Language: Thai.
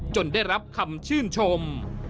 ได้รับคำชื่นชม